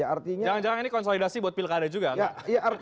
jangan jangan ini konsolidasi buat pilkada juga